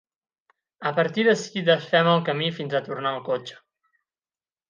A partir d'ací, desfem el camí fins a tornar al cotxe.